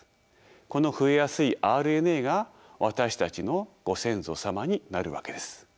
この増えやすいＲＮＡが私たちのご先祖様になるわけです。